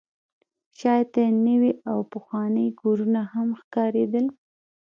شاته یې نوي او پخواني کورونه هم ښکارېدل.